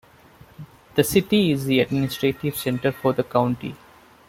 The city is the administrative center for the county.